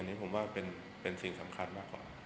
อันนี้ผมว่าเป็นสิ่งสำคัญมากกว่า